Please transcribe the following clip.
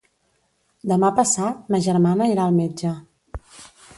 Demà passat ma germana irà al metge.